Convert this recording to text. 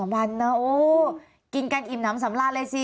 วันนะโอ้กินกันอิ่มน้ำสำราญเลยสิ